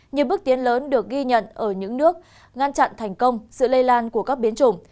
nhiều bước tiến lớn được ghi nhận ở những nước ngăn chặn thành công sự lây lan của các biến chủng